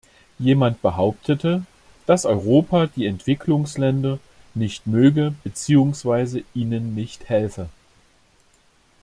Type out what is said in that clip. Jemand behauptete, dass Europa die Entwicklungsländer nicht möge beziehungsweise ihnen nicht helfe.